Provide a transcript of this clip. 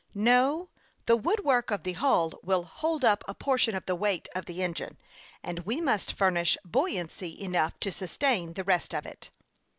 " No ; the wood work of the hulk will hold up a portion of the weight of the engine, .and we must furnish buoyancy enough to sustain the rest of it."